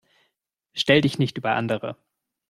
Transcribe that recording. Stell dich nicht über andere.